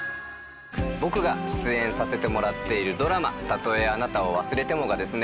僕が出演させてもらっているドラマ『たとえあなたを忘れても』がですね